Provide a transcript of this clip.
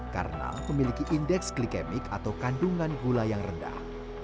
karena memiliki indeks glikemik atau kandungan gula yang rendah